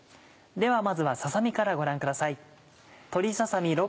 ではまずはささ身からご覧ください。